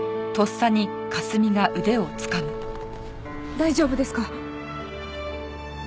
大丈夫ですか？